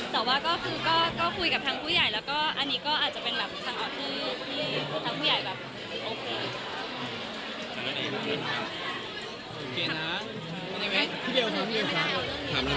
แต่ว่าก็คือก็คุยกับทางผู้ใหญ่แล้วก็อันนี้ก็อาจจะเป็นแบบทางออกที่ทางผู้ใหญ่แบบโอเค